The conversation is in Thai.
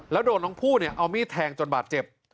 แล้วโดนน้องผู้เอามีดแทงจนบาดเจ็บ